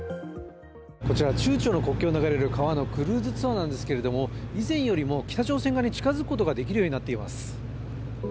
こちら中朝国境を流れる川のクルーズツアーなんですけど以前よりも北朝鮮側に近づくことができるようになっています。